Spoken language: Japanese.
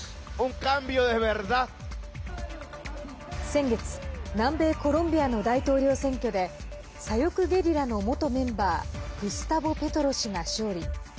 先月、南米コロンビアの大統領選挙で左翼ゲリラの元メンバーグスタボ・ペトロ氏が勝利。